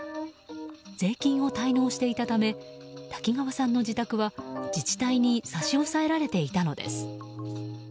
税金を滞納していたため滝川さんの自宅は自治体に差し押えられていたのです。